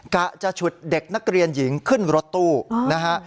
กะจะฉุดเด็กนักเรียนหญิงขึ้นรถตู้นะฮะ